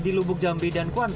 di lubuk jambi